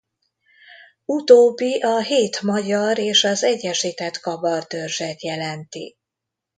Utóbbi a hét magyar és az egyesített kabar törzset jelenti.